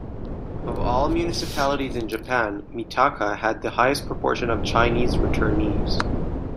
Of all municipalities in Japan, Mitaka had the highest proportion of Chinese returnees.